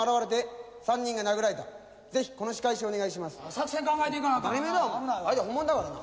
作戦考えていかな。